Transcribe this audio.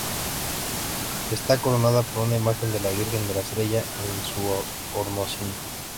Está coronada por una imagen de la Virgen de la Estrella en su hornacina.